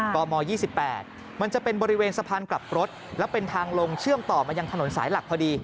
ม๒๘มันจะเป็นบริเวณสะพานกลับรถแล้วเป็นทางลงเชื่อมต่อมายังถนนสายหลักพอดี